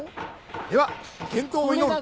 では健闘を祈る！